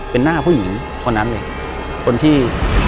เป็นหน้าผู้หญิงคนนั้นเลยคนที่